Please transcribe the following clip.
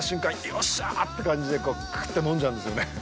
よっしゃーって感じでクーっと飲んじゃうんですよね。